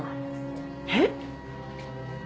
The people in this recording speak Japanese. えっ？